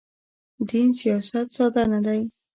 دین سیاست ساده نه دی.